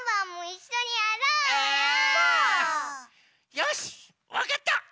よしわかった！